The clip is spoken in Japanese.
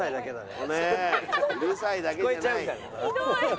ひどい。